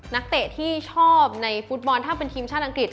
นักเตะที่ชอบในฟุตบอลถ้าเป็นทีมชาติอังกฤษ